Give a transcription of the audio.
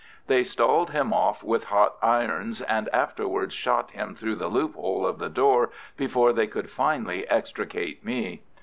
They stalled him off with hot irons, and afterwards shot him through the loophole of the door before they could finally extricate me.